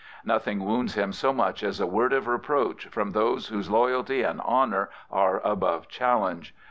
Nothing wounds him so much as a word of reproach from those whose loyalty and honour are above challenge.